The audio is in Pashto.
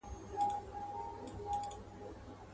خړي خاوري د وطن به ورته دم د مسیحا سي..